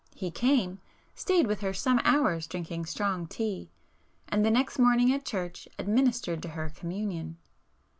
He came, stayed with her some hours drinking strong tea,—and [p 428] the next morning at church administered to her communion.